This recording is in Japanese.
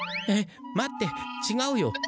えっ待ってちがうよ。